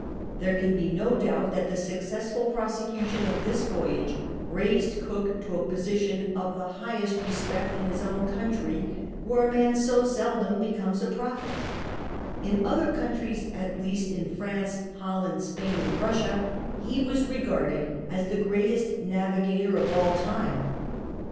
There can be no doubt that the successful prosecution of this voyage raised Cook to a position of the highest respect in his own country, where a man so seldom becomes a prophet In other countries, at least in France, Holland, Spain, and Russia, he was regarded as the greatest navigator of all time.